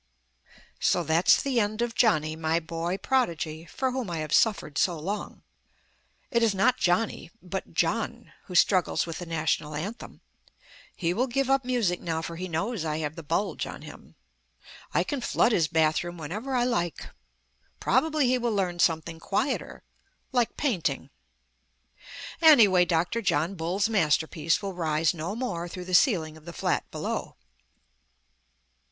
So that's the end of Johnny, my boy prodigy, for whom I have suffered so long. It is not Johnny but Jno. who struggles with the National Anthem. He will give up music now, for he knows I have the bulge on him; I can flood his bathroom whenever I like. Probably he will learn something quieter like painting. Anyway, Dr. John Bull's masterpiece will rise no more through the ceiling of the flat below.